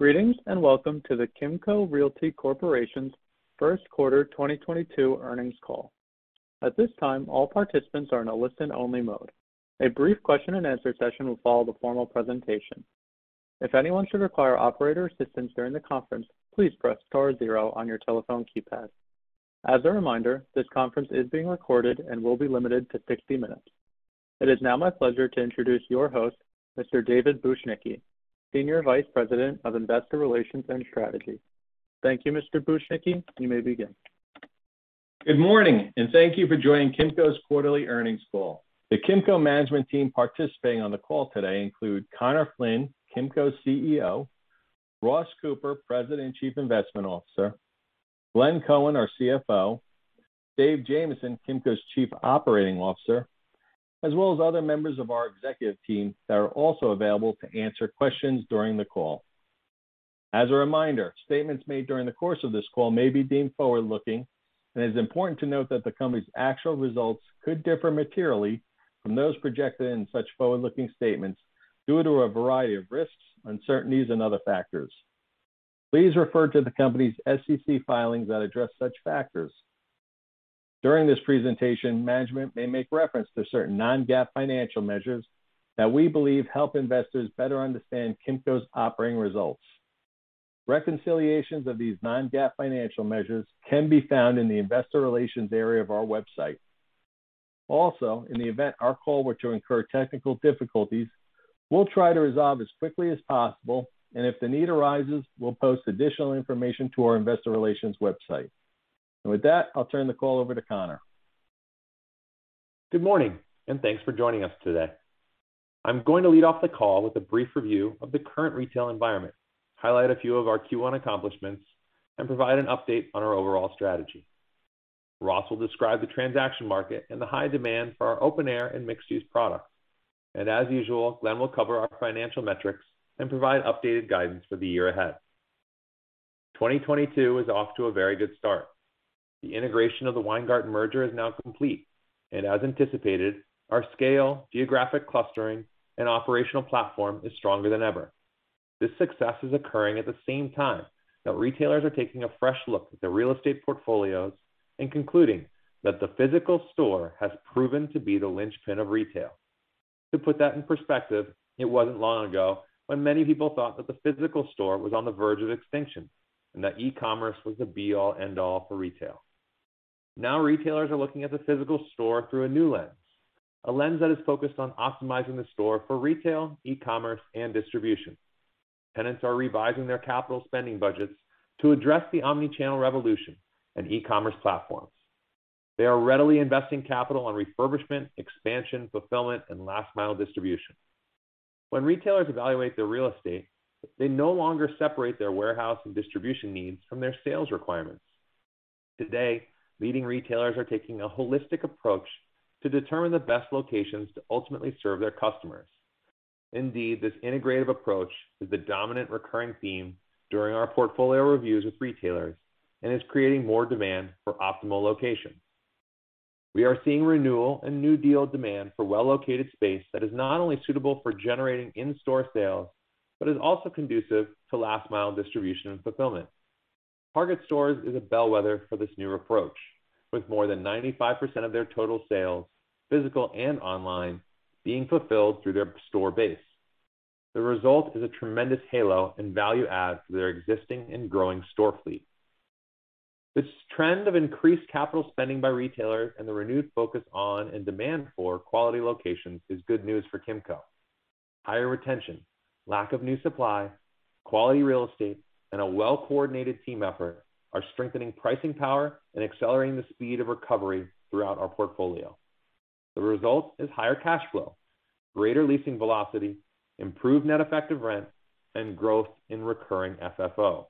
Greetings, and welcome to the Kimco Realty Corporation's first quarter 2022 earnings call. At this time, all participants are in a listen-only mode. A brief question and answer session will follow the formal presentation. If anyone should require operator assistance during the conference, please press star zero on your telephone keypad. As a reminder, this conference is being recorded and will be limited to 60 minutes. It is now my pleasure to introduce your host, Mr. David Bujnicki, Senior Vice President of Investor Relations and Strategy. Thank you, Mr. Bujnicki. You may begin. Good morning, and thank you for joining Kimco's quarterly earnings call. The Kimco management team participating on the call today include Conor Flynn, Kimco's CEO, Ross Cooper, President and Chief Investment Officer, Glenn Cohen, our CFO, Dave Jamieson, Kimco's Chief Operating Officer, as well as other members of our executive team that are also available to answer questions during the call. As a reminder, statements made during the course of this call may be deemed forward-looking, and it is important to note that the company's actual results could differ materially from those projected in such forward-looking statements due to a variety of risks, uncertainties, and other factors. Please refer to the company's SEC filings that address such factors. During this presentation, management may make reference to certain non-GAAP financial measures that we believe help investors better understand Kimco's operating results. Reconciliations of these non-GAAP financial measures can be found in the investor relations area of our website. Also, in the event our call were to incur technical difficulties, we'll try to resolve as quickly as possible, and if the need arises, we'll post additional information to our investor relations website. With that, I'll turn the call over to Conor. Good morning, and thanks for joining us today. I'm going to lead off the call with a brief review of the current retail environment, highlight a few of our Q1 accomplishments, and provide an update on our overall strategy. Ross will describe the transaction market and the high demand for our open-air and mixed-use products. As usual, Glenn will cover our financial metrics and provide updated guidance for the year ahead. 2022 is off to a very good start. The integration of the Weingarten merger is now complete, and as anticipated, our scale, geographic clustering, and operational platform is stronger than ever. This success is occurring at the same time that retailers are taking a fresh look at their real estate portfolios and concluding that the physical store has proven to be the linchpin of retail. To put that in perspective, it wasn't long ago when many people thought that the physical store was on the verge of extinction and that e-commerce was the be-all end-all for retail. Now, retailers are looking at the physical store through a new lens, a lens that is focused on optimizing the store for retail, e-commerce, and distribution. Tenants are revising their capital spending budgets to address the omni-channel revolution and e-commerce platforms. They are readily investing capital on refurbishment, expansion, fulfillment, and last mile distribution. When retailers evaluate their real estate, they no longer separate their warehouse and distribution needs from their sales requirements. Today, leading retailers are taking a holistic approach to determine the best locations to ultimately serve their customers. Indeed, this integrative approach is the dominant recurring theme during our portfolio reviews with retailers and is creating more demand for optimal locations. We are seeing renewal and new deal demand for well-located space that is not only suitable for generating in-store sales, but is also conducive to last mile distribution and fulfillment. Target Stores is a bellwether for this new approach, with more than 95% of their total sales, physical and online, being fulfilled through their store base. The result is a tremendous halo and value add to their existing and growing store fleet. This trend of increased capital spending by retailers and the renewed focus on and demand for quality locations is good news for Kimco. Higher retention, lack of new supply, quality real estate, and a well-coordinated team effort are strengthening pricing power and accelerating the speed of recovery throughout our portfolio. The result is higher cash flow, greater leasing velocity, improved net effective rent, and growth in recurring FFO.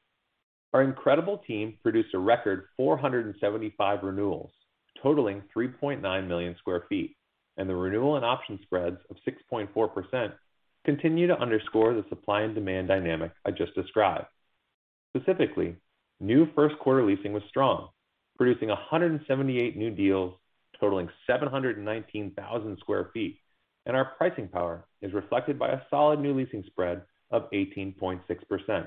Our incredible team produced a record 475 renewals totaling 3.9 million sq ft, and the renewal and option spreads of 6.4% continue to underscore the supply and demand dynamic I just described. Specifically, new first quarter leasing was strong, producing 178 new deals totaling 719,000 sq ft, and our pricing power is reflected by a solid new leasing spread of 18.6%.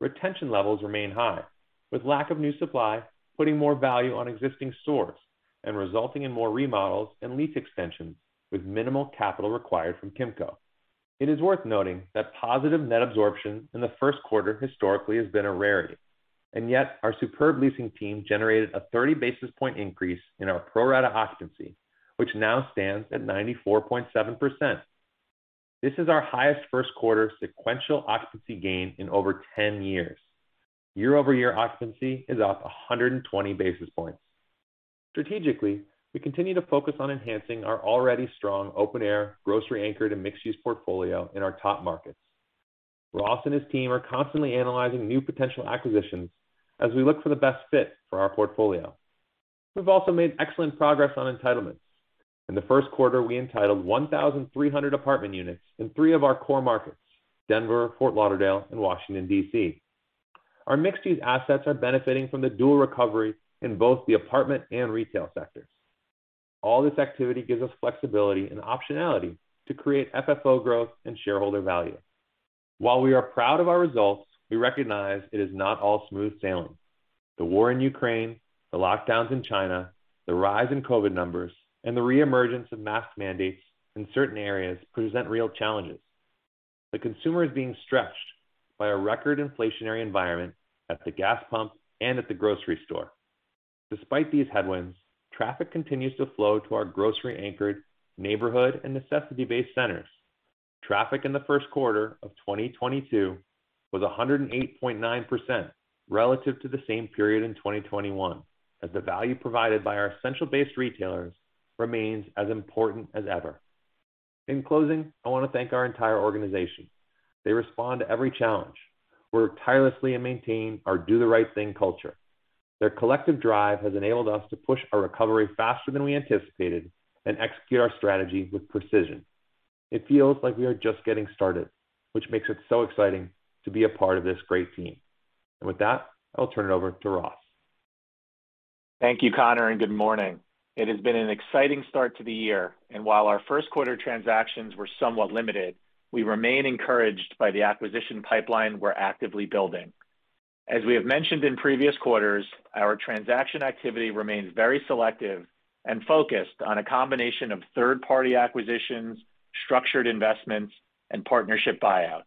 Retention levels remain high, with lack of new supply putting more value on existing stores and resulting in more remodels and lease extensions with minimal capital required from Kimco. It is worth noting that positive net absorption in the first quarter historically has been a rarity, and yet our superb leasing team generated a 30 basis point increase in our pro rata occupancy, which now stands at 94.7%. This is our highest first quarter sequential occupancy gain in over 10 years. Year-over-year occupancy is up 120 basis points. Strategically, we continue to focus on enhancing our already strong open-air, grocery-anchored, and mixed-use portfolio in our top markets. Ross and his team are constantly analyzing new potential acquisitions as we look for the best fit for our portfolio. We've also made excellent progress on entitlements. In the first quarter, we entitled 1,300 apartment units in three of our core markets, Denver, Fort Lauderdale, and Washington, D.C. Our mixed-use assets are benefiting from the dual recovery in both the apartment and retail sectors. All this activity gives us flexibility and optionality to create FFO growth and shareholder value. While we are proud of our results, we recognize it is not all smooth sailing. The war in Ukraine, the lockdowns in China, the rise in COVID numbers, and the reemergence of mask mandates in certain areas present real challenges. The consumer is being stretched by a record inflationary environment at the gas pump and at the grocery store. Despite these headwinds, traffic continues to flow to our grocery-anchored neighborhood and necessity-based centers. Traffic in the first quarter of 2022 was 108.9% relative to the same period in 2021, as the value provided by our essential-based retailers remains as important as ever. In closing, I want to thank our entire organization. They respond to every challenge, work tirelessly, and maintain our do the right thing culture. Their collective drive has enabled us to push our recovery faster than we anticipated and execute our strategy with precision. It feels like we are just getting started, which makes it so exciting to be a part of this great team. With that, I'll turn it over to Ross. Thank you, Conor, and good morning. It has been an exciting start to the year, and while our first quarter transactions were somewhat limited, we remain encouraged by the acquisition pipeline we're actively building. As we have mentioned in previous quarters, our transaction activity remains very selective and focused on a combination of third-party acquisitions, structured investments, and partnership buyouts.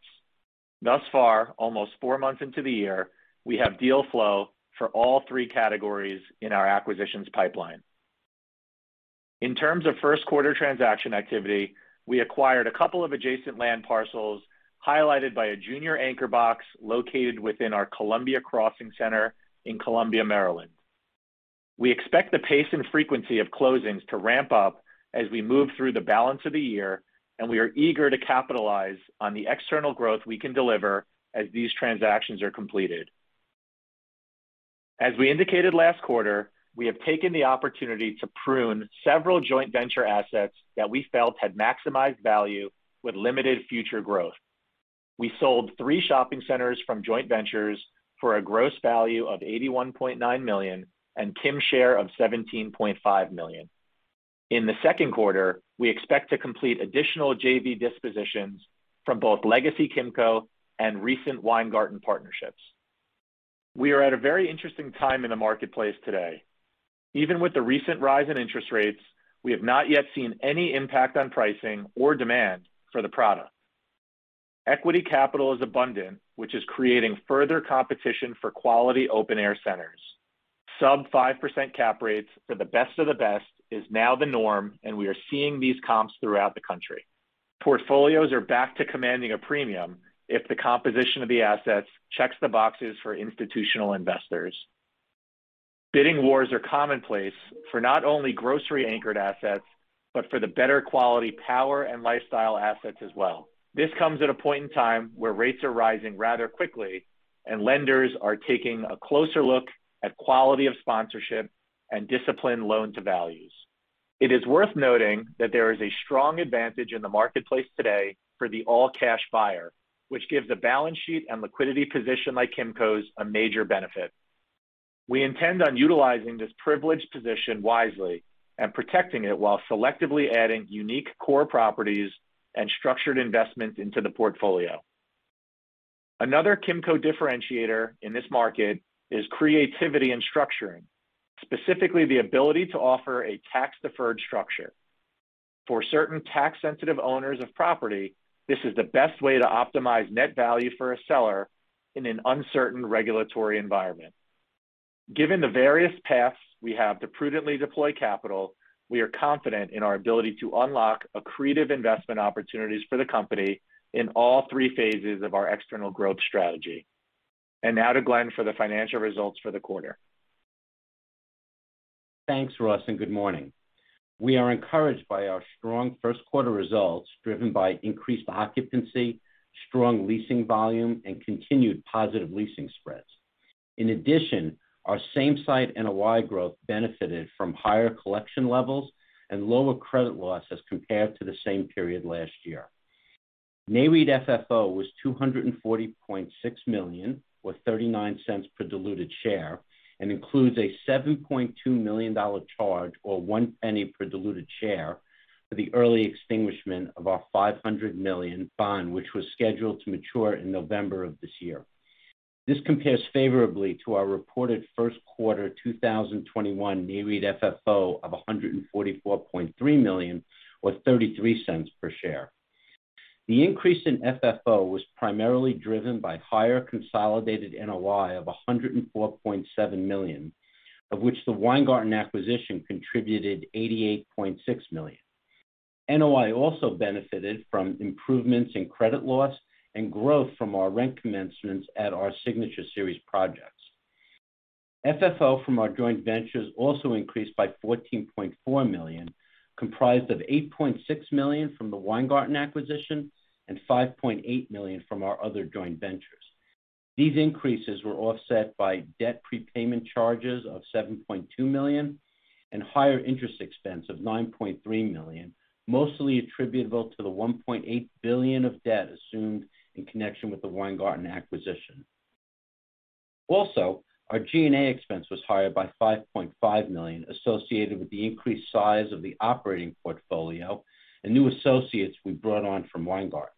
Thus far, almost four months into the year, we have deal flow for all three categories in our acquisitions pipeline. In terms of first quarter transaction activity, we acquired a couple of adjacent land parcels highlighted by a junior anchor box located within our Columbia Crossing Center in Columbia, Maryland. We expect the pace and frequency of closings to ramp up as we move through the balance of the year, and we are eager to capitalize on the external growth we can deliver as these transactions are completed. As we indicated last quarter, we have taken the opportunity to prune several joint venture assets that we felt had maximized value with limited future growth. We sold three shopping centers from joint ventures for a gross value of $81.9 million and Kimco share of $17.5 million. In the second quarter, we expect to complete additional JV dispositions from both Legacy Kimco and recent Weingarten partnerships. We are at a very interesting time in the marketplace today. Even with the recent rise in interest rates, we have not yet seen any impact on pricing or demand for the product. Equity capital is abundant, which is creating further competition for quality open-air centers. Sub 5% cap rates for the best of the best is now the norm, and we are seeing these comps throughout the country. Portfolios are back to commanding a premium if the composition of the assets checks the boxes for institutional investors. Bidding wars are commonplace for not only grocery-anchored assets, but for the better quality power and lifestyle assets as well. This comes at a point in time where rates are rising rather quickly and lenders are taking a closer look at quality of sponsorship and disciplined loan-to-value. It is worth noting that there is a strong advantage in the marketplace today for the all cash buyer, which gives a balance sheet and liquidity position like Kimco's a major benefit. We intend on utilizing this privileged position wisely and protecting it while selectively adding unique core properties and structured investments into the portfolio. Another Kimco differentiator in this market is creativity and structuring, specifically the ability to offer a tax-deferred structure. For certain tax sensitive owners of property, this is the best way to optimize net value for a seller in an uncertain regulatory environment. Given the various paths we have to prudently deploy capital, we are confident in our ability to unlock accretive investment opportunities for the company in all three phases of our external growth strategy. Now to Glenn for the financial results for the quarter. Thanks, Ross, and good morning. We are encouraged by our strong first quarter results driven by increased occupancy, strong leasing volume, and continued positive leasing spreads. In addition, our same-site NOI growth benefited from higher collection levels and lower credit losses compared to the same period last year. Nareit FFO was $240.6 million, or $0.39 per diluted share, and includes a $7.2 million charge or $0.01 per diluted share for the early extinguishment of our $500 million bond, which was scheduled to mature in November of this year. This compares favorably to our reported first quarter 2021 Nareit FFO of $144.3 million, or $0.33 per share. The increase in FFO was primarily driven by higher consolidated NOI of $104.7 million, of which the Weingarten acquisition contributed $88.6 million. NOI also benefited from improvements in credit loss and growth from our rent commencements at our Signature Series projects. FFO from our joint ventures also increased by $14.4 million, comprised of $8.6 million from the Weingarten acquisition and $5.8 million from our other joint ventures. These increases were offset by debt prepayment charges of $7.2 million and higher interest expense of $9.3 million, mostly attributable to the $1.8 billion of debt assumed in connection with the Weingarten acquisition. Also, our G&A expense was higher by $5.5 million, associated with the increased size of the operating portfolio and new associates we brought on from Weingarten.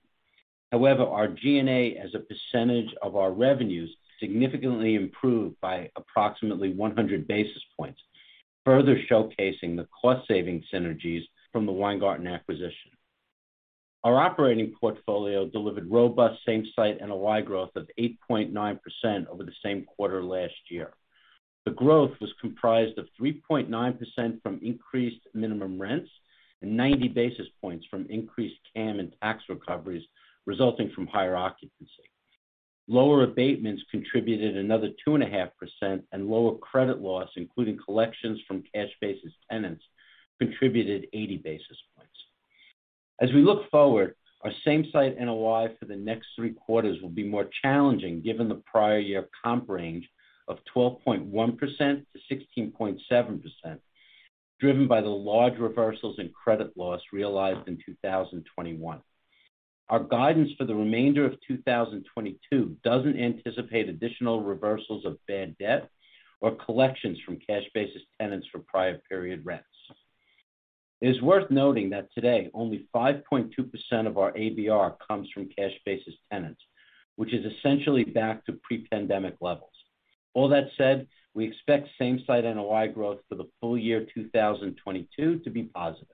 However, our G&A as a percentage of our revenues significantly improved by approximately 100 basis points, further showcasing the cost saving synergies from the Weingarten acquisition. Our operating portfolio delivered robust same-site NOI growth of 8.9% over the same quarter last year. The growth was comprised of 3.9% from increased minimum rents and 90 basis points from increased CAM and tax recoveries resulting from higher occupancy. Lower abatements contributed another 2.5% and lower credit loss, including collections from cash basis tenants, contributed 80 basis points. As we look forward, our same-site NOI for the next three quarters will be more challenging given the prior year comp range of 12.1%-16.7%, driven by the large reversals in credit loss realized in 2021. Our guidance for the remainder of 2022 doesn't anticipate additional reversals of bad debt or collections from cash basis tenants for prior period rents. It is worth noting that today only 5.2% of our ABR comes from cash basis tenants, which is essentially back to pre-pandemic levels. All that said, we expect same-site NOI growth for the full year 2022 to be positive.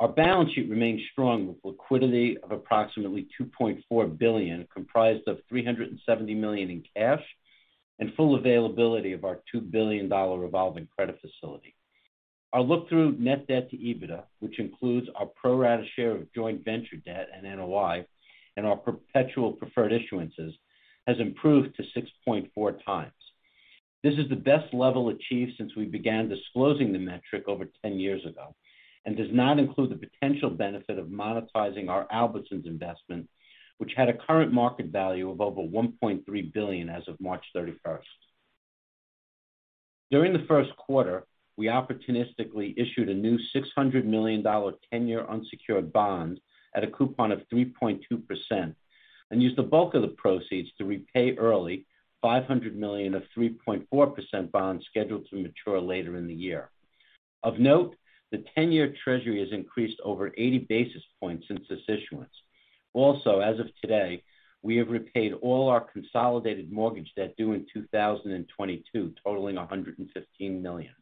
Our balance sheet remains strong with liquidity of approximately $2.4 billion, comprised of $370 million in cash and full availability of our $2 billion revolving credit facility. Our look-through net debt to EBITDA, which includes our pro rata share of joint venture debt and NOI and our perpetual preferred issuances, has improved to 6.4x. This is the best level achieved since we began disclosing the metric over 10 years ago and does not include the potential benefit of monetizing our Albertsons investment, which had a current market value of over $1.3 billion as of March 31. During the first quarter, we opportunistically issued a new $600 million ten-year unsecured bond at a coupon of 3.2% and used the bulk of the proceeds to repay early $500 million of 3.4% bonds scheduled to mature later in the year. Of note, the 10-year treasury has increased over 80 basis points since this issuance. Also as of today, we have repaid all our consolidated mortgage debt due in 2022, totaling $115 million.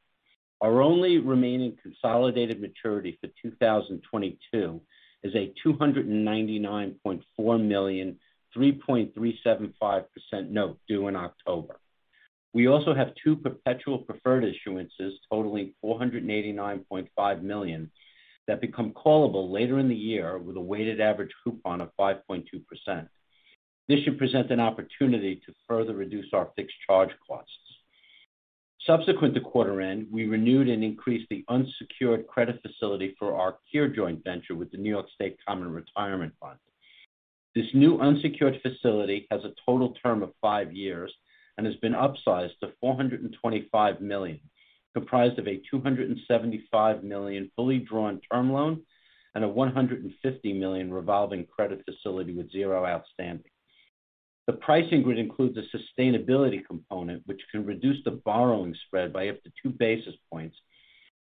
Our only remaining consolidated maturity for 2022 is a $299.4 million, 3.375% note due in October. We also have two perpetual preferred issuances totaling $489.5 million that become callable later in the year with a weighted average coupon of 5.2%. This should present an opportunity to further reduce our fixed charge costs. Subsequent to quarter end, we renewed and increased the unsecured credit facility for our KIR joint venture with the New York State Common Retirement Fund. This new unsecured facility has a total term of five years and has been upsized to $425 million, comprised of a $275 million fully drawn term loan and a $150 million revolving credit facility with $0 outstanding. The pricing grid includes a sustainability component, which can reduce the borrowing spread by up to two basis points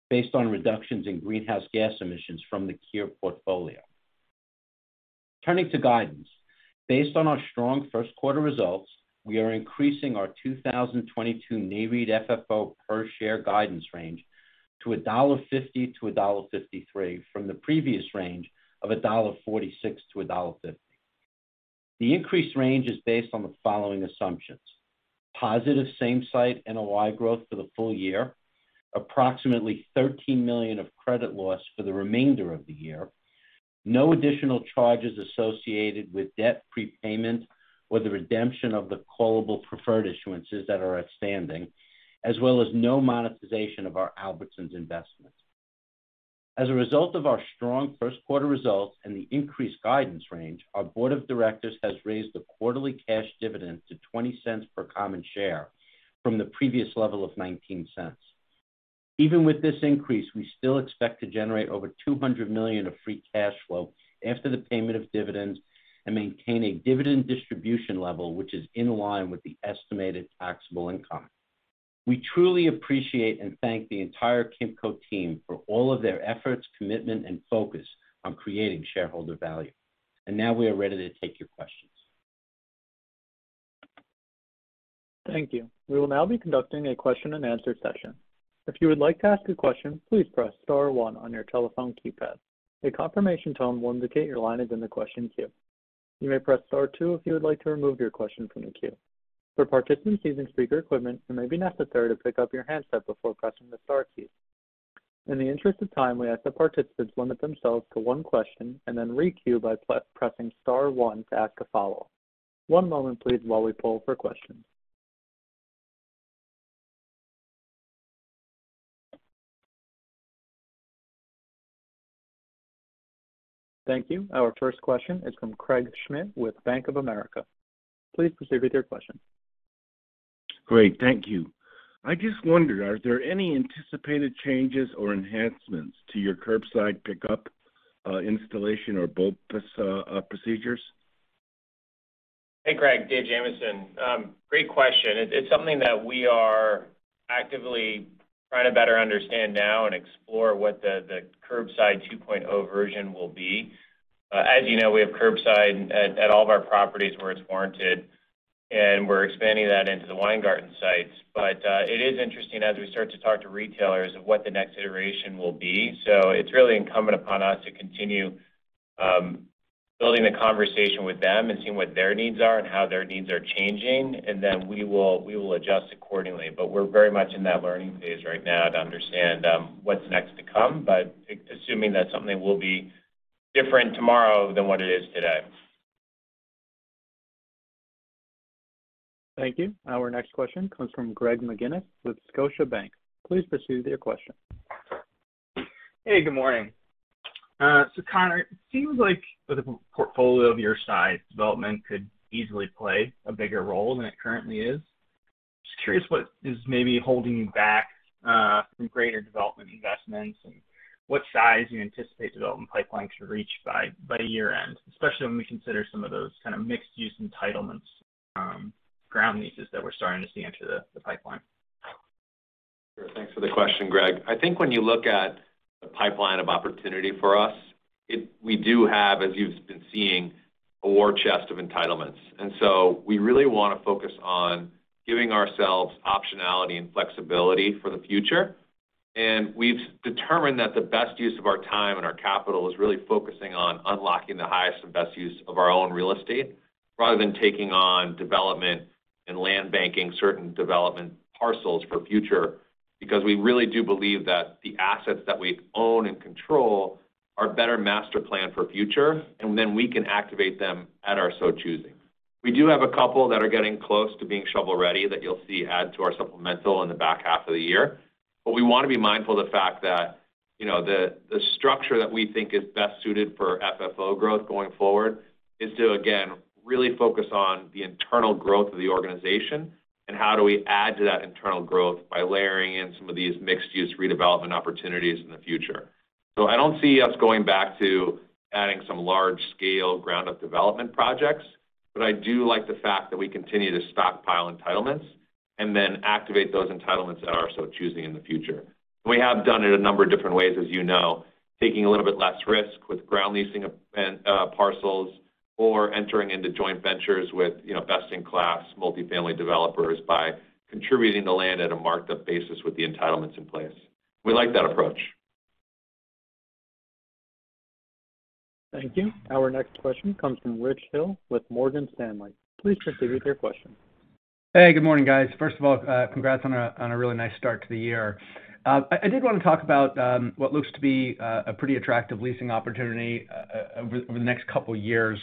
based on reductions in greenhouse gas emissions from the core portfolio. Turning to guidance. Based on our strong first quarter results, we are increasing our 2022 Nareit FFO per share guidance range to $1.50-$1.53 from the previous range of $1.46-$1.50. The increased range is based on the following assumptions. Positive same-site NOI growth for the full year, approximately $13 million of credit loss for the remainder of the year. No additional charges associated with debt prepayment or the redemption of the callable preferred issuances that are outstanding, as well as no monetization of our Albertsons investment. As a result of our strong first quarter results and the increased guidance range, our board of directors has raised the quarterly cash dividend to $0.20 per common share from the previous level of $0.19. Even with this increase, we still expect to generate over $200 million of free cash flow after the payment of dividends and maintain a dividend distribution level which is in line with the estimated taxable income. We truly appreciate and thank the entire Kimco team for all of their efforts, commitment, and focus on creating shareholder value. Now we are ready to take your questions. Thank you. We will now be conducting a question and answer session. If you would like to ask a question, please press star one on your telephone keypad. A confirmation tone will indicate your line is in the question queue. You may press star two if you would like to remove your question from the queue. For participants using speaker equipment, it may be necessary to pick up your handset before pressing the star key. In the interest of time, we ask that participants limit themselves to one question and then re-queue by pressing star one to ask a follow up. One moment please while we poll for questions. Thank you. Our first question is from Craig Schmidt with Bank of America. Please proceed with your question. Great. Thank you. I just wondered, are there any anticipated changes or enhancements to your curbside pickup, installation or both procedures? Hey, Greg. Dave Jamieson. Great question. It's something that we are actively trying to better understand now and explore what the curbside 2.0 version will be. As you know, we have curbside at all of our properties where it's warranted, and we're expanding that into the Weingarten sites. It is interesting as we start to talk to retailers of what the next iteration will be. It's really incumbent upon us to continue building the conversation with them and seeing what their needs are and how their needs are changing, and then we will adjust accordingly. We're very much in that learning phase right now to understand what's next to come, but assuming that something will be different tomorrow than what it is today. Thank you. Our next question comes from Greg McGinniss with Scotiabank. Please proceed with your question. Hey, good morning. Conor, it seems like with a portfolio of your size, development could easily play a bigger role than it currently is. Just curious what is maybe holding you back from greater development investments and what size you anticipate development pipeline to reach by year-end, especially when we consider some of those kind of mixed-use entitlements, ground leases that we're starting to see enter the pipeline. Sure. Thanks for the question, Greg. I think when you look at the pipeline of opportunity for us, we do have, as you've been seeing, a war chest of entitlements. We really wanna focus on giving ourselves optionality and flexibility for the future. We've determined that the best use of our time and our capital is really focusing on unlocking the highest and best use of our own real estate rather than taking on development and land banking certain development parcels for future, because we really do believe that the assets that we own and control are better master planned for future, and then we can activate them at our own choosing. We do have a couple that are getting close to being shovel-ready that you'll see add to our supplemental in the back half of the year. We wanna be mindful of the fact that, you know, the structure that we think is best suited for FFO growth going forward is to again, really focus on the internal growth of the organization and how do we add to that internal growth by layering in some of these mixed use redevelopment opportunities in the future. I don't see us going back to adding some large scale ground up development projects, but I do like the fact that we continue to stockpile entitlements and then activate those entitlements at our own choosing in the future. We have done it a number of different ways, as you know, taking a little bit less risk with ground leasing of parcels or entering into joint ventures with, you know, best in class multifamily developers by contributing the land at a marked up basis with the entitlements in place. We like that approach. Thank you. Our next question comes from Rich Hill with Morgan Stanley. Please proceed with your question. Hey, good morning, guys. First of all, congrats on a really nice start to the year. I did wanna talk about what looks to be a pretty attractive leasing opportunity over the next couple years.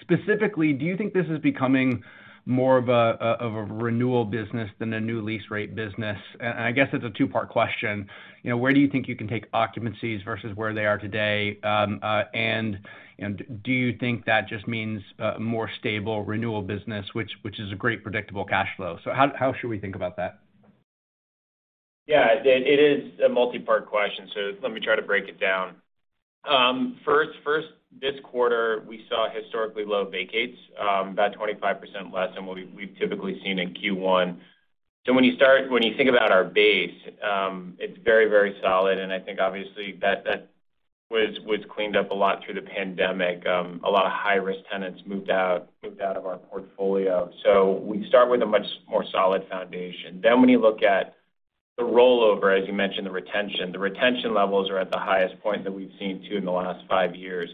Specifically, do you think this is becoming more of a renewal business than a new lease rate business? I guess it's a two-part question. You know, where do you think you can take occupancies versus where they are today? Do you think that just means more stable renewal business, which is a great predictable cash flow? How should we think about that? Yeah, it is a multi-part question, so let me try to break it down. First, this quarter, we saw historically low vacates, about 25% less than what we've typically seen in Q1. When you think about our base, it's very solid, and I think obviously that was cleaned up a lot through the pandemic. A lot of high-risk tenants moved out of our portfolio. We start with a much more solid foundation. When you look at the rollover, as you mentioned, the retention levels are at the highest point that we've seen, too, in the last five years.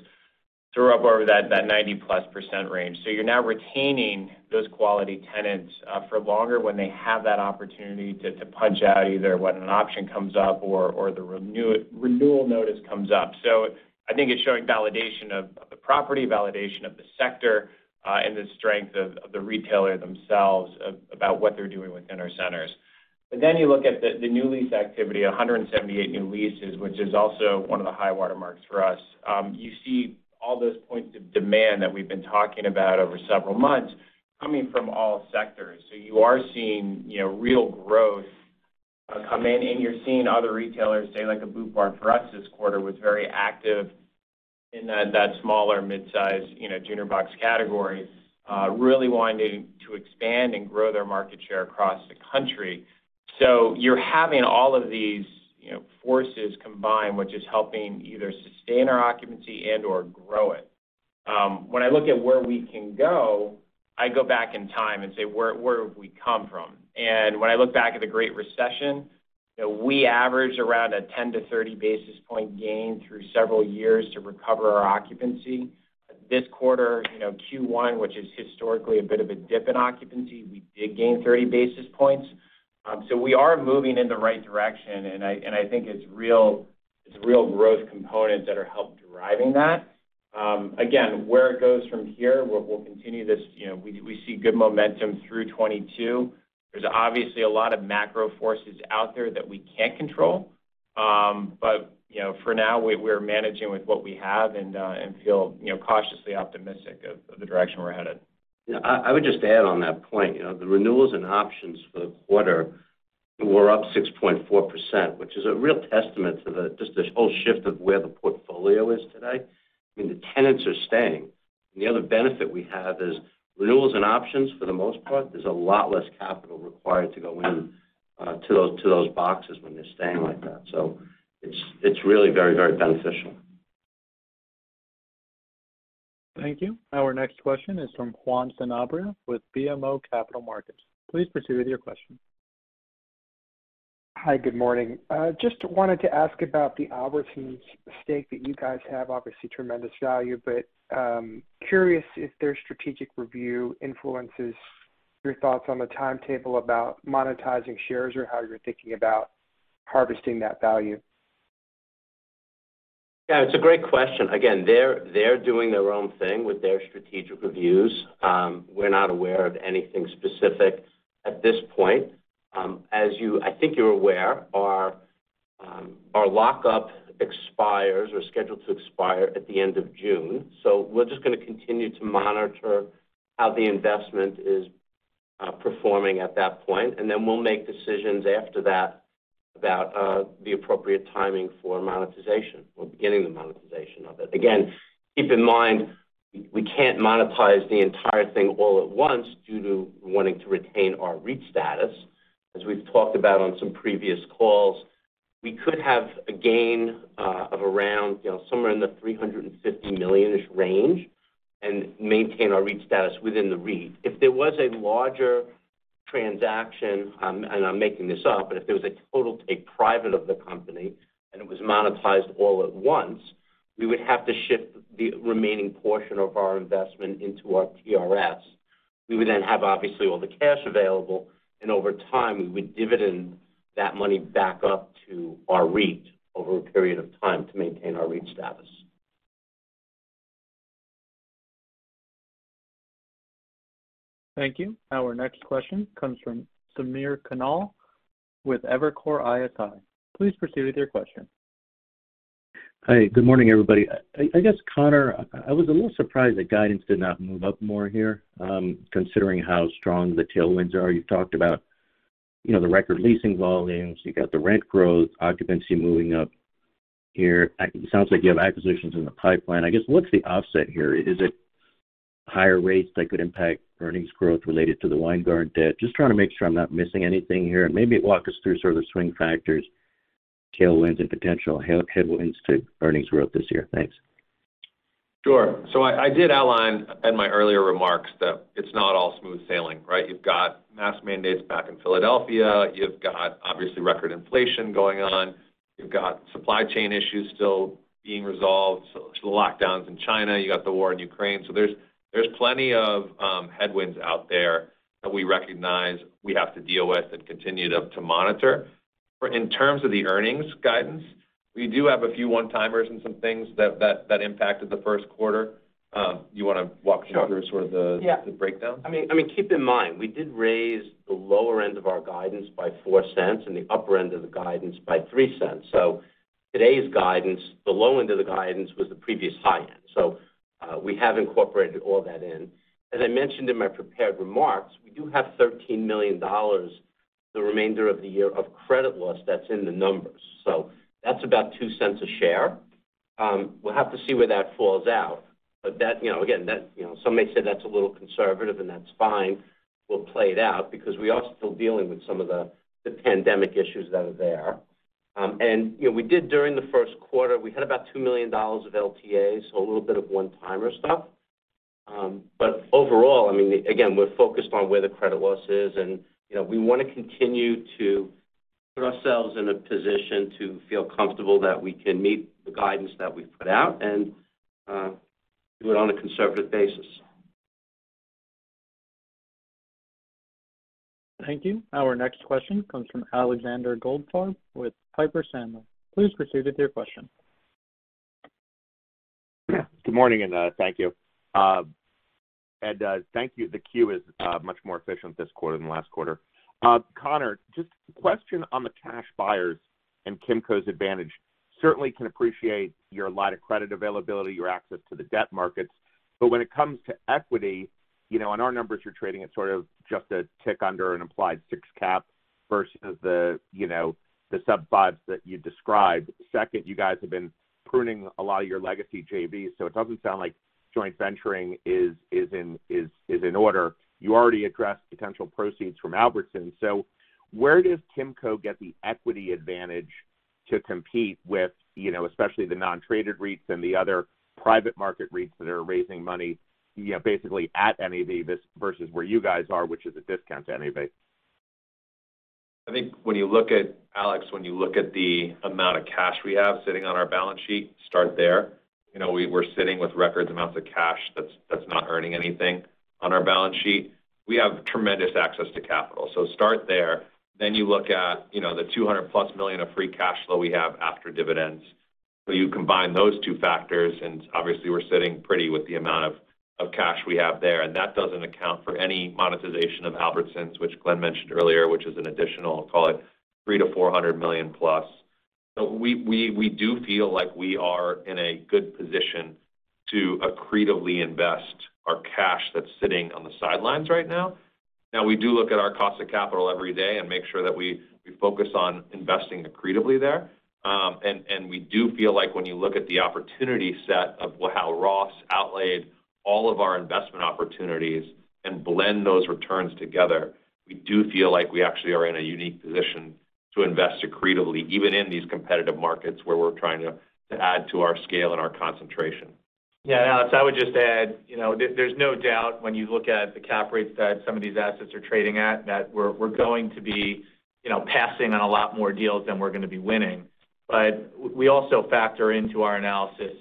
They're up over that 90%+ range. You're now retaining those quality tenants for longer when they have that opportunity to punch out either when an option comes up or the renewal notice comes up. I think it's showing validation of the property, validation of the sector, and the strength of the retailer themselves about what they're doing within our centers. Then you look at the new lease activity, 178 new leases, which is also one of the high watermarks for us. You see all those points of demand that we've been talking about over several months coming from all sectors. You are seeing, you know, real growth, come in, and you're seeing other retailers, say, like a Boot Barn for us this quarter, was very active in that smaller midsize, you know, junior box category, really wanting to expand and grow their market share across the country. You're having all of these, you know, forces combined, which is helping either sustain our occupancy and/or grow it. When I look at where we can go, I go back in time and say, where have we come from? When I look back at the Great Recession, you know, we average around a 10 to 30 basis point gain through several years to recover our occupancy. This quarter, you know, Q1, which is historically a bit of a dip in occupancy, we did gain 30 basis points. We are moving in the right direction, and I think it's real growth components that are helping drive that. Again, where it goes from here, we'll continue this, you know, we see good momentum through 2022. There's obviously a lot of macro forces out there that we can't control. You know, for now, we're managing with what we have and feel cautiously optimistic of the direction we're headed. Yeah. I would just add on that point. You know, the renewals and options for the quarter were up 6.4%, which is a real testament to just this whole shift of where the portfolio is today, and the tenants are staying. The other benefit we have is renewals and options, for the most part, there's a lot less capital required to go in to those boxes when they're staying like that. It's really very, very beneficial. Thank you. Our next question is from Juan Sanabria with BMO Capital Markets. Please proceed with your question. Hi, good morning. Just wanted to ask about the Albertsons stake that you guys have obviously tremendous value, but curious if their strategic review influences your thoughts on the timetable about monetizing shares or how you're thinking about harvesting that value. Yeah, it's a great question. Again, they're doing their own thing with their strategic reviews. We're not aware of anything specific at this point. As you, I think you're aware, our lockup expires or is scheduled to expire at the end of June. We're just gonna continue to monitor how the investment is performing at that point, and then we'll make decisions after that about the appropriate timing for monetization or beginning the monetization of it. Again, keep in mind, we can't monetize the entire thing all at once due to wanting to retain our REIT status. As we've talked about on some previous calls, we could have a gain of around, you know, somewhere in the $350 million-ish range and maintain our REIT status within the REIT. If there was a larger transaction, and I'm making this up, but if there was a total take private of the company and it was monetized all at once, we would have to ship the remaining portion of our investment into our TRS. We would then have, obviously, all the cash available, and over time, we would dividend that money back up to our REIT over a period of time to maintain our REIT status. Thank you. Our next question comes from Samir Khanal with Evercore ISI. Please proceed with your question. Hi, good morning, everybody. I guess, Conor, I was a little surprised that guidance did not move up more here, considering how strong the tailwinds are. You've talked about, you know, the record leasing volumes. You've got the rent growth, occupancy moving up here. It sounds like you have acquisitions in the pipeline. I guess, what's the offset here? Is it higher rates that could impact earnings growth related to the Weingarten debt? Just trying to make sure I'm not missing anything here, and maybe walk us through sort of the swing factors, tailwinds and potential headwinds to earnings growth this year. Thanks. Sure. I did outline in my earlier remarks that it's not all smooth sailing, right? You've got mask mandates back in Philadelphia. You've got obviously record inflation going on. You've got supply chain issues still being resolved. The lockdowns in China, you got the war in Ukraine. There's plenty of headwinds out there that we recognize we have to deal with and continue to monitor. In terms of the earnings guidance, we do have a few one-timers and some things that impacted the first quarter. You wanna walk through. Sure. Sort of the- Yeah The breakdown. I mean, keep in mind, we did raise the lower end of our guidance by $0.04 and the upper end of the guidance by $0.03. Today's guidance, the low end of the guidance was the previous high end. We have incorporated all that in. As I mentioned in my prepared remarks, we do have $13 million the remainder of the year of credit loss that's in the numbers. That's about $0.02 a share. We'll have to see where that falls out. But that, you know, some may say that's a little conservative, and that's fine. We'll play it out because we are still dealing with some of the pandemic issues that are there. You know, we did during the first quarter, we had about $2 million of LTAs, so a little bit of one-timer stuff. Overall, I mean, again, we're focused on where the credit loss is and, you know, we wanna continue to put ourselves in a position to feel comfortable that we can meet the guidance that we've put out and, do it on a conservative basis. Thank you. Our next question comes from Alexander Goldfarb with Piper Sandler. Please proceed with your question. Good morning, thank you. Thank you. The queue is much more efficient this quarter than last quarter. Conor, just a question on the cash buyers and Kimco's advantage. Certainly can appreciate your line of credit availability, your access to the debt markets. But when it comes to equity, you know, on our numbers, you're trading at sort of just a tick under an implied 6 cap versus the, you know, the sub-5s that you described. Second, you guys have been pruning a lot of your legacy JVs, so it doesn't sound like joint venturing is in order. You already addressed potential proceeds from Albertsons. Where does Kimco get the equity advantage to compete with, you know, especially the non-traded REITs and the other private market REITs that are raising money, you know, basically at NAV versus where you guys are, which is a discount to NAV? I think Alexander, when you look at the amount of cash we have sitting on our balance sheet, start there. You know, we're sitting with record amounts of cash that's not earning anything on our balance sheet. We have tremendous access to capital. Start there. Then you look at, you know, the $200 million-plus of free cash flow we have after dividends. You combine those two factors, and obviously we're sitting pretty with the amount of cash we have there, and that doesn't account for any monetization of Albertsons, which Glenn mentioned earlier, which is an additional, call it $300-$400 million plus. We do feel like we are in a good position to accretively invest our cash that's sitting on the sidelines right now. Now we do look at our cost of capital every day and make sure that we focus on investing accretively there. We do feel like when you look at the opportunity set of how Ross laid out all of our investment opportunities and blend those returns together, we do feel like we actually are in a unique position to invest accretively, even in these competitive markets where we're trying to add to our scale and our concentration. Yeah, Alex, I would just add, you know, there's no doubt when you look at the cap rates that some of these assets are trading at, that we're going to be, you know, passing on a lot more deals than we're gonna be winning. We also factor into our analysis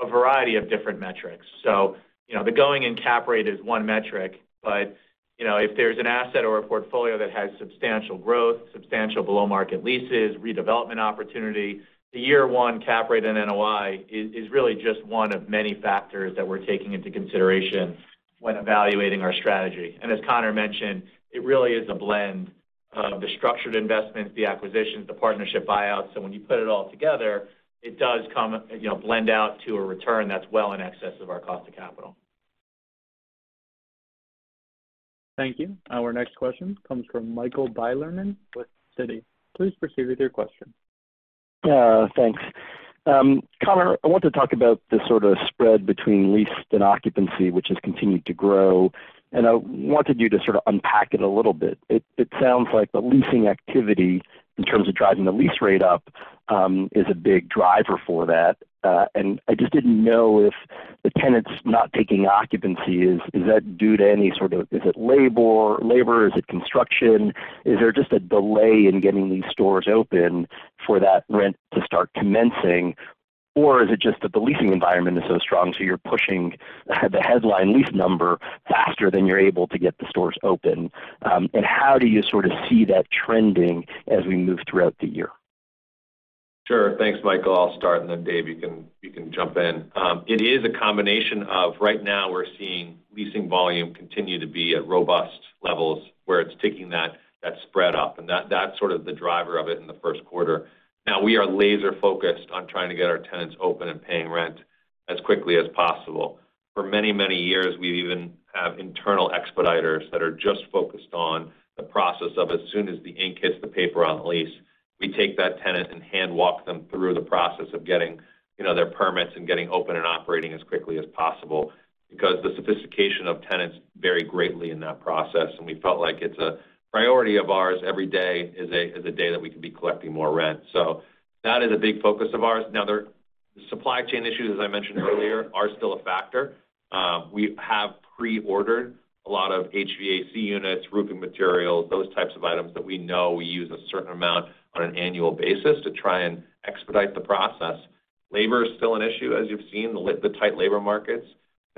a variety of different metrics. You know, the going-in cap rate is one metric. You know, if there's an asset or a portfolio that has substantial growth, substantial below-market leases, redevelopment opportunity, the year one cap rate and NOI is really just one of many factors that we're taking into consideration when evaluating our strategy. As Conor mentioned, it really is a blend of the structured investments, the acquisitions, the partnership buyouts. When you put it all together, it does come. You know, blend out to a return that's well in excess of our cost of capital. Thank you. Our next question comes from Michael Bilerman with Citi. Please proceed with your question. Thanks. Conor, I want to talk about the sort of spread between leased and occupancy, which has continued to grow, and I wanted you to sort of unpack it a little bit. It sounds like the leasing activity in terms of driving the lease rate up is a big driver for that. I just didn't know if the tenants not taking occupancy is that due to any sort of Is it labor? Is it construction? Is there just a delay in getting these stores open for that rent to start commencing? Or is it just that the leasing environment is so strong, so you're pushing the headline lease number faster than you're able to get the stores open? How do you sort of see that trending as we move throughout the year? Sure. Thanks, Michael. I'll start, and then Dave, you can jump in. It is a combination of right now we're seeing leasing volume continue to be at robust levels, where it's taking that spread up, and that's sort of the driver of it in the first quarter. Now we are laser-focused on trying to get our tenants open and paying rent as quickly as possible. For many, many years, we've even have internal expediters that are just focused on the process of as soon as the ink hits the paper on the lease, we take that tenant and hand walk them through the process of getting, you know, their permits and getting open and operating as quickly as possible. Because the sophistication of tenants vary greatly in that process, and we felt like it's a priority of ours. Every day is a day that we could be collecting more rent. That is a big focus of ours. Now there are supply chain issues, as I mentioned earlier, are still a factor. We have pre-ordered a lot of HVAC units, roofing materials, those types of items that we know we use a certain amount on an annual basis to try and expedite the process. Labor is still an issue, as you've seen, the tight labor markets.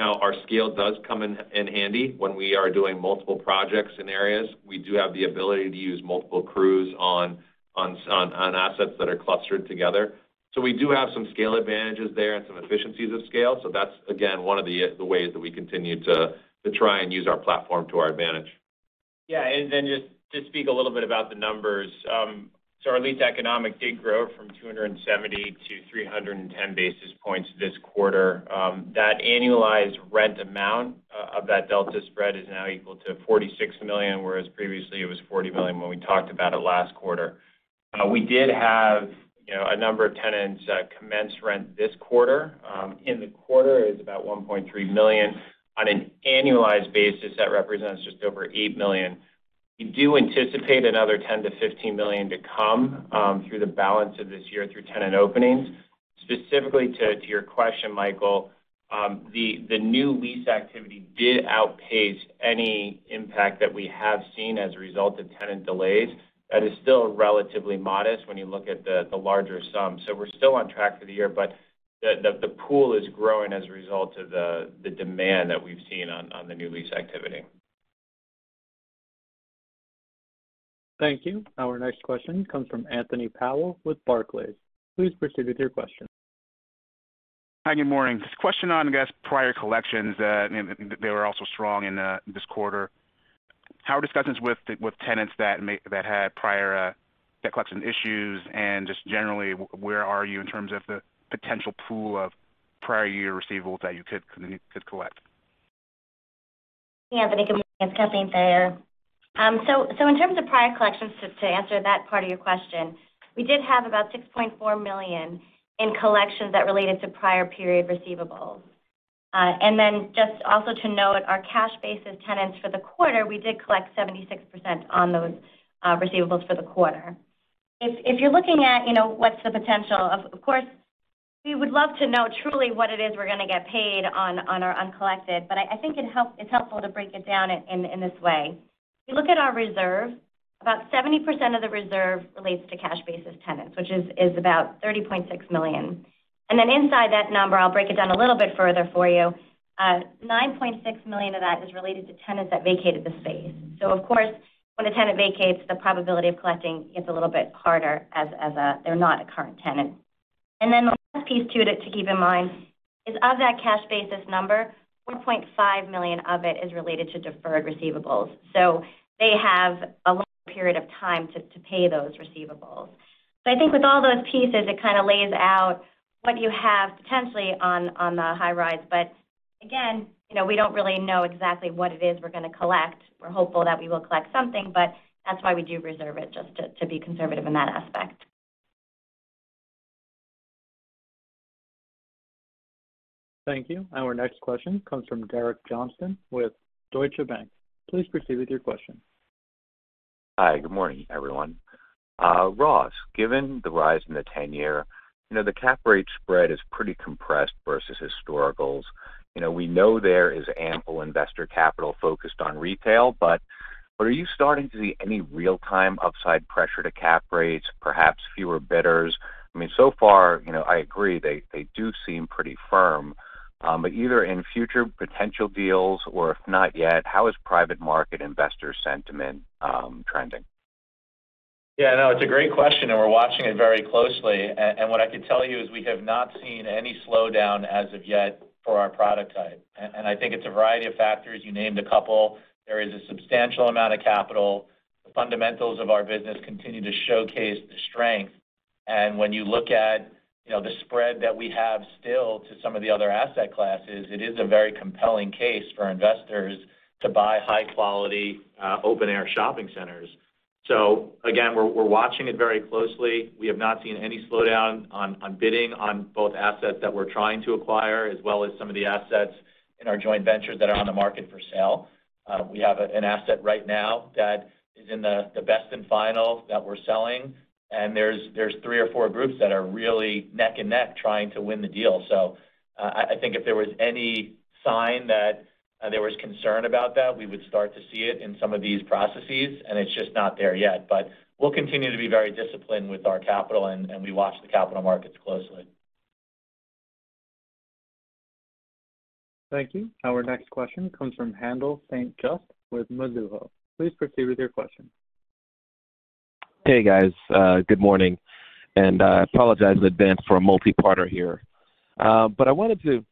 Now our scale does come in handy when we are doing multiple projects in areas. We do have the ability to use multiple crews on assets that are clustered together. We do have some scale advantages there and some efficiencies of scale. That's again one of the ways that we continue to try and use our platform to our advantage. Yeah. Then just speak a little bit about the numbers. Our leasing economics did grow from 270 to 310 basis points this quarter. That annualized rent amount of that delta spread is now equal to $46 million, whereas previously it was $40 million when we talked about it last quarter. We did have, you know, a number of tenants commence rent this quarter. In the quarter is about $1.3 million. On an annualized basis, that represents just over $8 million. We do anticipate another $10 million-$15 million to come through the balance of this year through tenant openings. Specifically to your question, Michael, the new lease activity did outpace any impact that we have seen as a result of tenant delays. That is still relatively modest when you look at the larger sum. We're still on track for the year, but the pool is growing as a result of the demand that we've seen on the new lease activity. Thank you. Our next question comes from Anthony Powell with Barclays. Please proceed with your question. Hi, good morning. Just a question on, I guess, prior collections. They were also strong in this quarter. How are discussions with tenants that had prior debt collection issues, and just generally, where are you in terms of the potential pool of prior year receivables that you could collect? Anthony, good morning. It's Kathleen Thayer. In terms of prior collections, just to answer that part of your question, we did have about $6.4 million in collections that related to prior period receivables. And then just also to note our cash basis tenants for the quarter, we did collect 76% on those receivables for the quarter. If you're looking at, you know, what's the potential. Of course, we would love to know truly what it is we're gonna get paid on our uncollected, but I think it's helpful to break it down in this way. If you look at our reserve, about 70% of the reserve relates to cash basis tenants, which is about $30.6 million. Inside that number, I'll break it down a little bit further for you. $9.6 million of that is related to tenants that vacated the space. Of course, when a tenant vacates, the probability of collecting gets a little bit harder, as they're not a current tenant. The last piece to it to keep in mind is of that cash basis number, $1.5 million of it is related to deferred receivables. They have a long period of time to pay those receivables. I think with all those pieces, it kind of lays out what you have potentially on the high rise. Again, you know, we don't really know exactly what it is we're gonna collect. We're hopeful that we will collect something, but that's why we do reserve it just to be conservative in that aspect. Thank you. Our next question comes from Derek Johnston with Deutsche Bank. Please proceed with your question. Hi, good morning, everyone. Ross, given the rise in the ten-year, you know, the cap rate spread is pretty compressed versus historicals. You know, we know there is ample investor capital focused on retail, but are you starting to see any real-time upside pressure to cap rates, perhaps fewer bidders? I mean, so far, you know, I agree, they do seem pretty firm. But either in future potential deals or if not yet, how is private market investor sentiment trending? Yeah, no, it's a great question, and we're watching it very closely. What I can tell you is we have not seen any slowdown as of yet for our product type. I think it's a variety of factors. You named a couple. There is a substantial amount of capital. The fundamentals of our business continue to showcase the strength. When you look at, you know, the spread that we have still to some of the other asset classes, it is a very compelling case for investors to buy high-quality, open-air shopping centers. Again, we're watching it very closely. We have not seen any slowdown on bidding on both assets that we're trying to acquire, as well as some of the assets in our joint ventures that are on the market for sale. We have an asset right now that is in the best and final that we're selling, and there's three or four groups that are really neck and neck trying to win the deal. I think if there was any sign that there was concern about that, we would start to see it in some of these processes, and it's just not there yet. We'll continue to be very disciplined with our capital, and we watch the capital markets closely. Thank you. Our next question comes from Haendel St. Juste with Mizuho. Please proceed with your question. Hey, guys, good morning, and I apologize in advance for a multi-parter here. I wanted to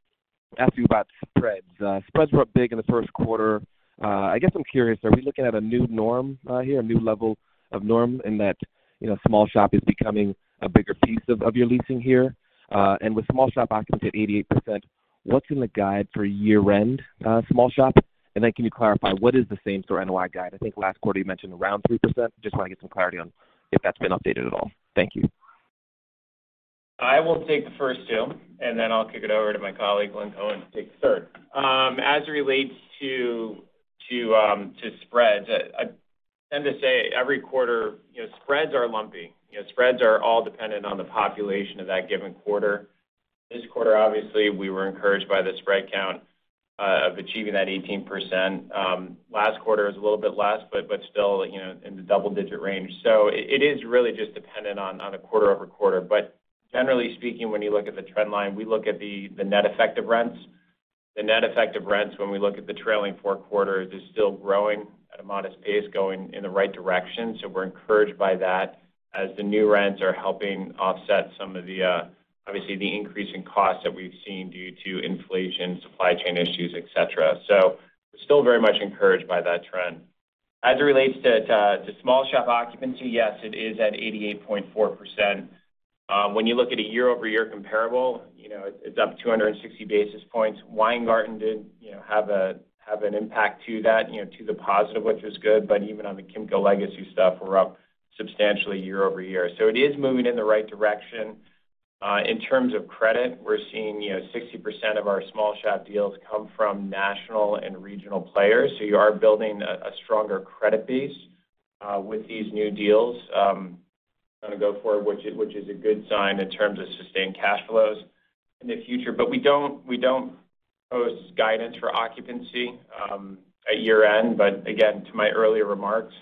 ask you about spreads. Spreads were up big in the first quarter. I guess I'm curious, are we looking at a new norm here, a new level of norm in that, you know, small shop is becoming a bigger piece of your leasing here? With small shop occupancy at 88%, what's in the guide for year-end small shop? Can you clarify what is the same-store NOI guide? I think last quarter you mentioned around 3%. Just wanna get some clarity on if that's been updated at all. Thank you. I will take the first two, and then I'll kick it over to my colleague, Glenn Cohen, to take the third. As it relates to spreads, I tend to say every quarter, you know, spreads are lumpy. You know, spreads are all dependent on the population of that given quarter. This quarter, obviously, we were encouraged by the spread count of achieving that 18%. Last quarter was a little bit less, but still, you know, in the double-digit range. It is really just dependent on a quarter-over-quarter. Generally speaking, when you look at the trend line, we look at the net effect of rents. The net effect of rents when we look at the trailing four quarters is still growing at a modest pace, going in the right direction. We're encouraged by that as the new rents are helping offset some of the obviously the increase in costs that we've seen due to inflation, supply chain issues, et cetera. We're still very much encouraged by that trend. As it relates to small shop occupancy, yes, it is at 88.4%. When you look at a year-over-year comparable, you know, it's up 260 basis points. Weingarten did, you know, have an impact to that, you know, to the positive, which was good. Even on the Kimco legacy stuff, we're up substantially year-over-year. It is moving in the right direction. In terms of credit, we're seeing, you know, 60% of our small shop deals come from national and regional players. You are building a stronger credit base with these new deals gonna go forward, which is a good sign in terms of sustained cash flows in the future. We don't post guidance for occupancy at year-end. Again, to my earlier remarks,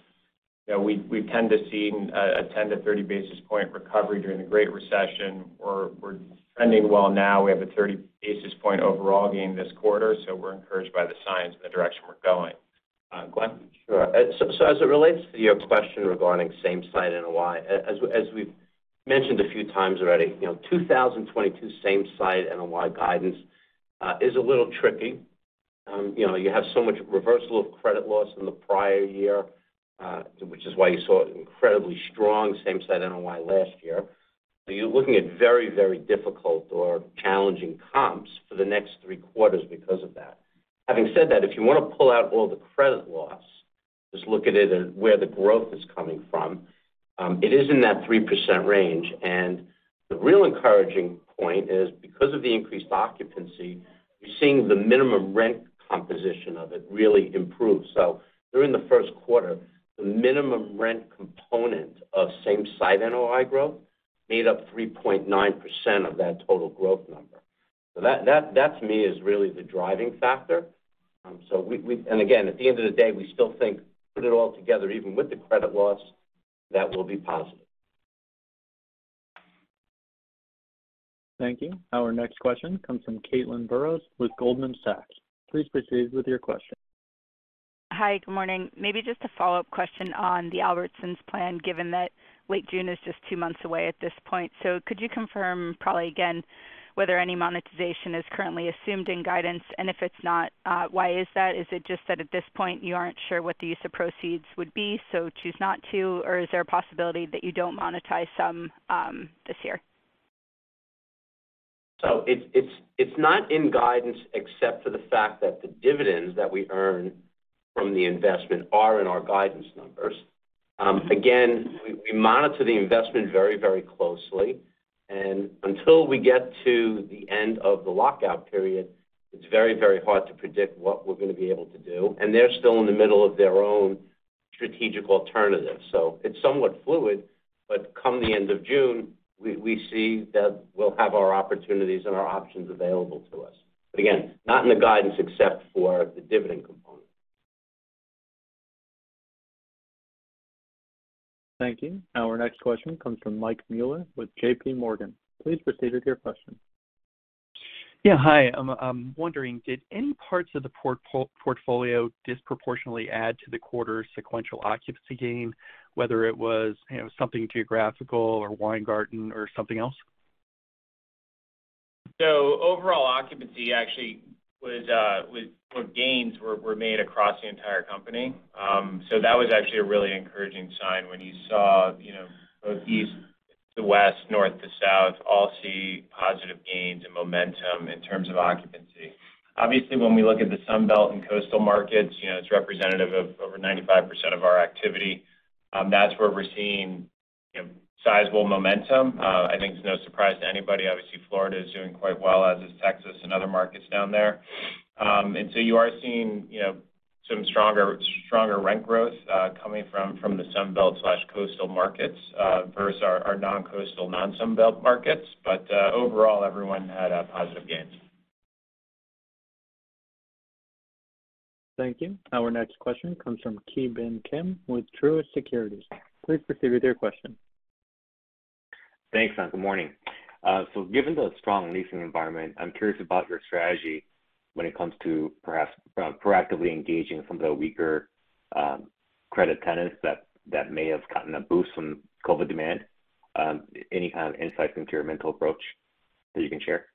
you know, we tend to see a 10-30 basis point recovery during the Great Recession. We're trending well now. We have a 30 basis point overall gain this quarter, so we're encouraged by the signs and the direction we're going. Glenn? Sure. As it relates to your question regarding same-site NOI, as we've mentioned a few times already, you know, 2022 same-site NOI guidance is a little tricky. You know, you have so much reversal of credit loss in the prior year, which is why you saw incredibly strong same-site NOI last year. You're looking at very, very difficult or challenging comps for the next three quarters because of that. Having said that, if you wanna pull out all the credit loss, just look at it as where the growth is coming from, it is in that 3% range. The real encouraging point is because of the increased occupancy, we're seeing the minimum rent composition of it really improve. During the first quarter, the minimum rent component of same-site NOI growth made up 3.9% of that total growth number. That to me is really the driving factor. Again, at the end of the day, we still think, put it all together, even with the credit loss, that will be positive. Thank you. Our next question comes from Caitlin Burrows with Goldman Sachs. Please proceed with your question. Hi, good morning. Maybe just a follow-up question on the Albertsons plan, given that late June is just two months away at this point. Could you confirm probably again, whether any monetization is currently assumed in guidance? And if it's not, why is that? Is it just that at this point, you aren't sure what the use of proceeds would be, so choose not to or is there a possibility that you don't monetize some, this year? It's not in guidance except for the fact that the dividends that we earn from the investment are in our guidance numbers. Again, we monitor the investment very, very closely. Until we get to the end of the lockout period, it's very, very hard to predict what we're gonna be able to do. They're still in the middle of their own strategic alternative. It's somewhat fluid, but come the end of June, we see that we'll have our opportunities and our options available to us. Again, not in the guidance except for the dividend component. Thank you. Our next question comes from Mike Mueller with JP Morgan. Please proceed with your question. Yeah, hi. I'm wondering, did any parts of the portfolio disproportionately add to the quarter's sequential occupancy gain, whether it was, you know, something geographical or Weingarten or something else? Overall occupancy actually was or gains were made across the entire company. That was actually a really encouraging sign when you saw, you know, both east to west, north to south, all see positive gains and momentum in terms of occupancy. Obviously, when we look at the Sun Belt and coastal markets, you know, it's representative of over 95% of our activity. That's where we're seeing, you know, sizable momentum. I think it's no surprise to anybody. Obviously, Florida is doing quite well, as is Texas and other markets down there. You are seeing, you know, some stronger rent growth coming from the Sun Belt and coastal markets versus our non-coastal, non-Sun Belt markets. Overall, everyone had positive gains. Thank you. Our next question comes from Ki Bin Kim with Truist Securities. Please proceed with your question. Thanks, good morning. Given the strong leasing environment, I'm curious about your strategy when it comes to perhaps proactively engaging some of the weaker credit tenants that may have gotten a boost from COVID demand. Any kind of insights into your mental approach that you can share?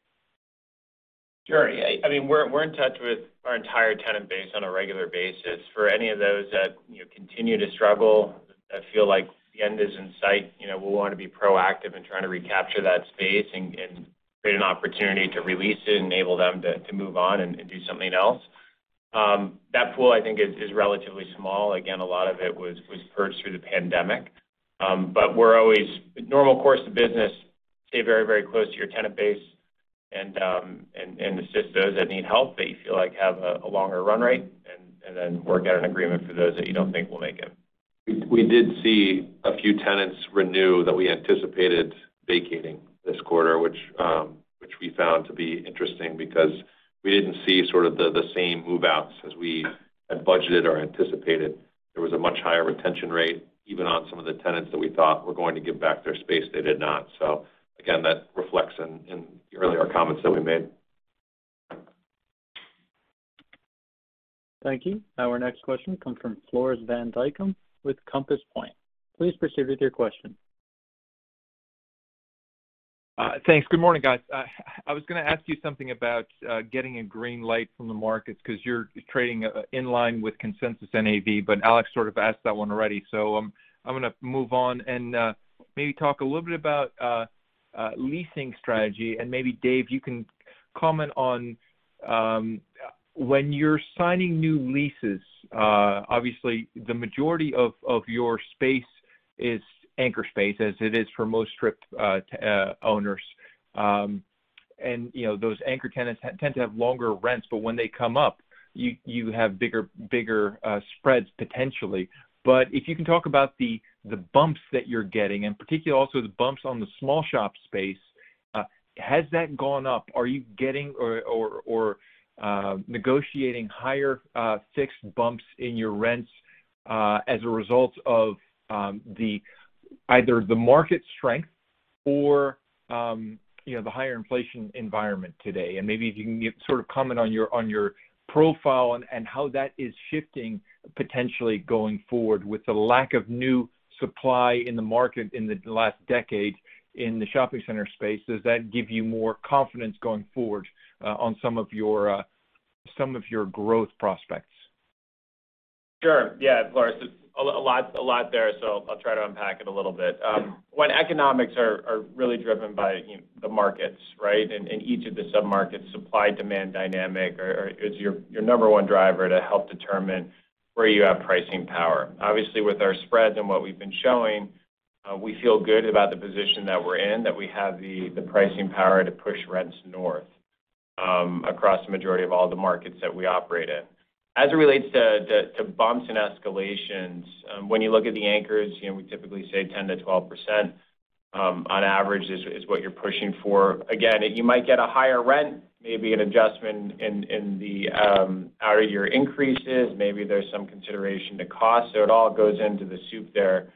Sure. I mean, we're in touch with our entire tenant base on a regular basis. For any of those that you know continue to struggle, that feel like the end is in sight, you know, we wanna be proactive in trying to recapture that space and create an opportunity to re-lease it, enable them to move on and do something else. That pool I think is relatively small. Again, a lot of it was purged through the pandemic. We're always in the normal course of business, stay very close to our tenant base and assist those that need help that we feel like have a longer run rate, and then work out an agreement for those that we don't think will make it. We did see a few tenants renew that we anticipated vacating this quarter, which we found to be interesting because we didn't see sort of the same move-outs as we had budgeted or anticipated. There was a much higher retention rate, even on some of the tenants that we thought were going to give back their space. They did not. Again, that reflects in earlier comments that we made. Thank you. Our next question comes from Floris van Dijkum with Compass Point. Please proceed with your question. Thanks. Good morning, guys. I was gonna ask you something about getting a green light from the markets 'cause you're trading in line with consensus NAV, but Alex sort of asked that one already. I'm gonna move on and maybe talk a little bit about leasing strategy. Maybe Dave, you can comment on when you're signing new leases, obviously the majority of your space is anchor space as it is for most strip center owners. You know, those anchor tenants tend to have longer rents, but when they come up, you have bigger spreads potentially. If you can talk about the bumps that you're getting, and particularly also the bumps on the small shop space, has that gone up? Are you getting or negotiating higher fixed bumps in your rents as a result of either the market strength or you know the higher inflation environment today? Maybe you can sort of comment on your profile and how that is shifting potentially going forward with the lack of new supply in the market in the last decade in the shopping center space. Does that give you more confidence going forward on some of your growth prospects? Sure. Yeah, Floris. A lot there, so I'll try to unpack it a little bit. When economics are really driven by, you know, the markets, right? Each of the submarkets, supply-demand dynamic is your number one driver to help determine where you have pricing power. Obviously, with our spreads and what we've been showing, we feel good about the position that we're in, that we have the pricing power to push rents north, across the majority of all the markets that we operate in. As it relates to bumps and escalations, when you look at the anchors, you know, we typically say 10%-12%, on average is what you're pushing for. Again, you might get a higher rent, maybe an adjustment in the amount of your increases. Maybe there's some consideration to cost. It all goes into the soup there.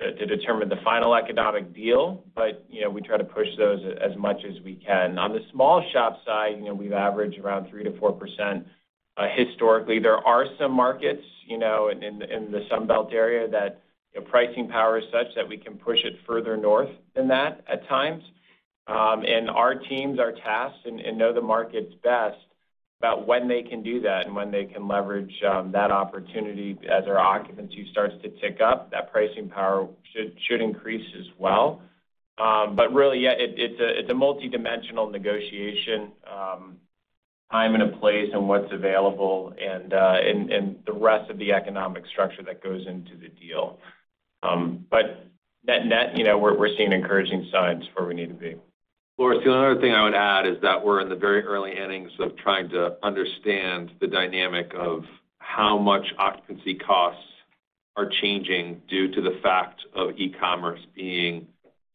To determine the final economic deal, but, you know, we try to push those as much as we can. On the small shop side, you know, we've averaged around 3%-4%. Historically, there are some markets, you know, in the Sun Belt area that the pricing power is such that we can push it further north than that at times. And our teams are tasked and know the markets best about when they can do that and when they can leverage that opportunity. As our occupancy starts to tick up, that pricing power should increase as well. Really, yeah, it's a multidimensional negotiation, time and a place and what's available and the rest of the economic structure that goes into the deal. Net, you know, we're seeing encouraging signs where we need to be. Floris van Dijkum, the other thing I would add is that we're in the very early innings of trying to understand the dynamic of how much occupancy costs are changing due to the fact of e-commerce being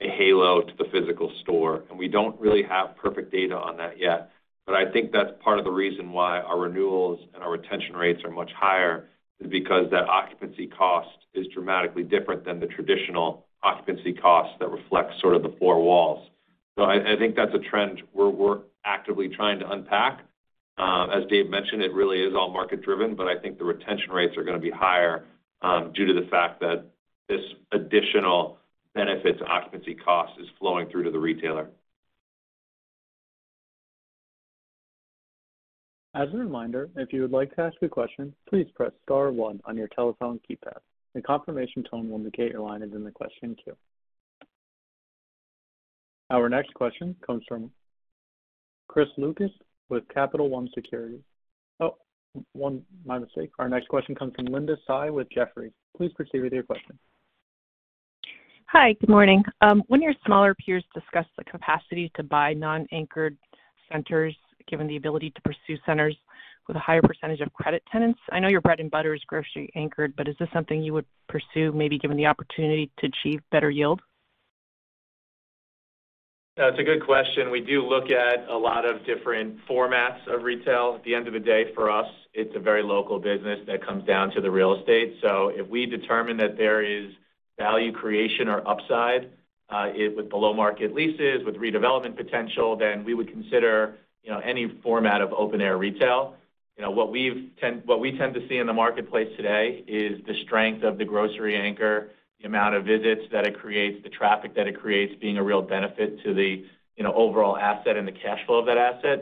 a halo to the physical store. We don't really have perfect data on that yet. I think that's part of the reason why our renewals and our retention rates are much higher is because that occupancy cost is dramatically different than the traditional occupancy cost that reflects sort of the four walls. I think that's a trend we're actively trying to unpack. As Dave mentioned, it really is all market-driven, but I think the retention rates are gonna be higher due to the fact that this additional benefits occupancy cost is flowing through to the retailer. As a reminder, if you would like to ask a question, please press star one on your telephone keypad. A confirmation tone will indicate your line is in the question queue. Our next question comes from Chris Lucas with Capital One Securities. Oh, one, my mistake. Our next question comes from Linda Tsai with Jefferies. Please proceed with your question. Hi. Good morning. When your smaller peers discuss the capacity to buy non-anchored centers, given the ability to pursue centers with a higher percentage of credit tenants, I know your bread and butter is grocery anchored, but is this something you would pursue maybe given the opportunity to achieve better yield? That's a good question. We do look at a lot of different formats of retail. At the end of the day, for us, it's a very local business that comes down to the real estate. If we determine that there is value creation or upside with below-market leases, with redevelopment potential, then we would consider, you know, any format of open-air retail. You know, what we tend to see in the marketplace today is the strength of the grocery-anchored, the amount of visits that it creates, the traffic that it creates being a real benefit to the, you know, overall asset and the cash flow of that asset.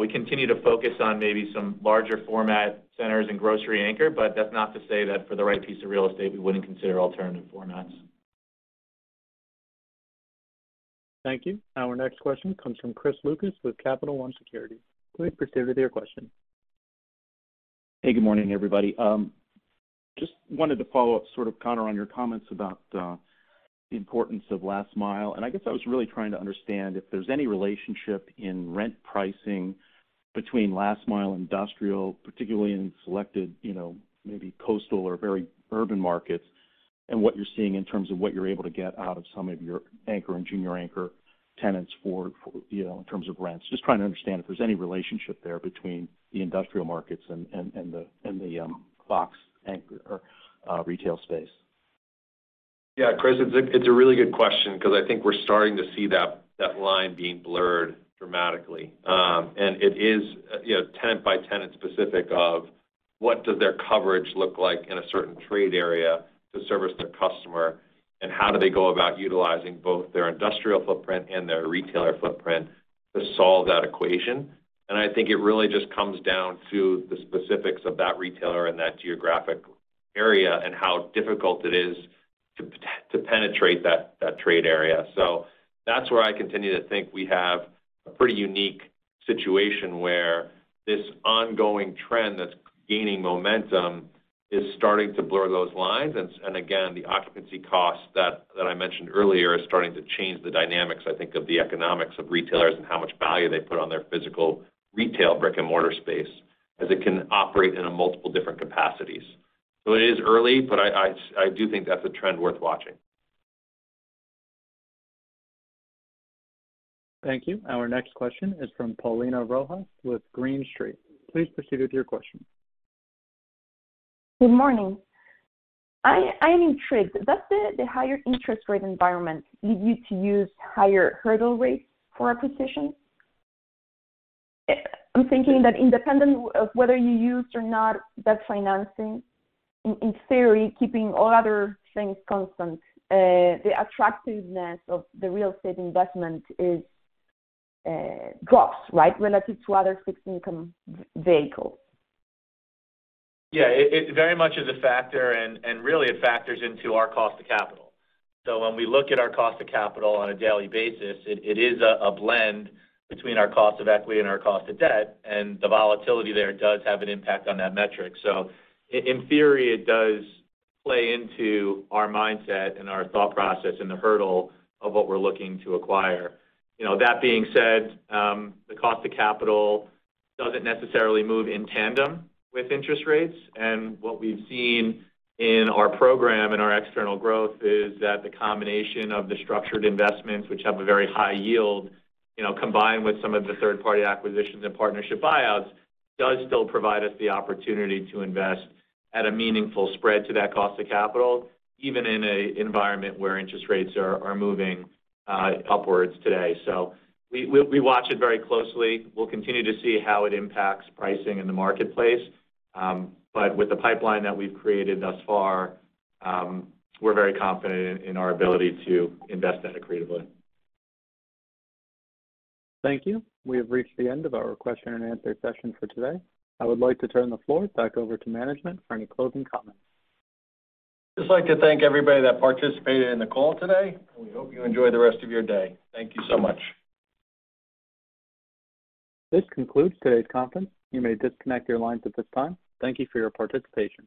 We continue to focus on maybe some larger format centers and grocery-anchored, but that's not to say that for the right piece of real estate, we wouldn't consider alternative formats. Thank you. Our next question comes from Chris Lucas with Capital One Securities. Please proceed with your question. Hey, good morning, everybody. Just wanted to follow up sort of, Conor, on your comments about the importance of last mile. I guess I was really trying to understand if there's any relationship in rent pricing between last mile industrial, particularly in selected, you know, maybe coastal or very urban markets, and what you're seeing in terms of what you're able to get out of some of your anchor and junior anchor tenants for, you know, in terms of rents. Just trying to understand if there's any relationship there between the industrial markets and the box anchor retail space. Yeah, Chris, it's a really good question 'cause I think we're starting to see that line being blurred dramatically. It is, you know, tenant by tenant specific of what does their coverage look like in a certain trade area to service their customer, and how do they go about utilizing both their industrial footprint and their retailer footprint to solve that equation. I think it really just comes down to the specifics of that retailer in that geographic area and how difficult it is to penetrate that trade area. That's where I continue to think we have a pretty unique situation where this ongoing trend that's gaining momentum is starting to blur those lines. Again, the occupancy cost that I mentioned earlier is starting to change the dynamics, I think, of the economics of retailers and how much value they put on their physical retail brick-and-mortar space, as it can operate in a multiple different capacities. It is early, but I do think that's a trend worth watching. Thank you. Our next question is from Paulina Rojas with Green Street. Please proceed with your question. Good morning. I am intrigued. Does the higher interest rate environment lead you to use higher hurdle rates for acquisition? I'm thinking that independent of whether you used or not debt financing, in theory, keeping all other things constant, the attractiveness of the real estate investment is drops, right, relative to other fixed income vehicles. Yeah. It very much is a factor, and really it factors into our cost of capital. When we look at our cost of capital on a daily basis, it is a blend between our cost of equity and our cost of debt, and the volatility there does have an impact on that metric. In theory, it does play into our mindset and our thought process and the hurdle of what we're looking to acquire. You know, that being said, the cost of capital doesn't necessarily move in tandem with interest rates. What we've seen in our program and our external growth is that the combination of the structured investments, which have a very high yield, you know, combined with some of the third-party acquisitions and partnership buyouts, does still provide us the opportunity to invest at a meaningful spread to that cost of capital, even in an environment where interest rates are moving upwards today. We watch it very closely. We'll continue to see how it impacts pricing in the marketplace. With the pipeline that we've created thus far, we're very confident in our ability to invest adequately. Thank you. We have reached the end of our question and answer session for today. I would like to turn the floor back over to management for any closing comments. Just like to thank everybody that participated in the call today, and we hope you enjoy the rest of your day. Thank you so much. This concludes today's conference. You may disconnect your lines at this time. Thank you for your participation.